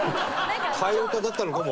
替え歌だったのかも。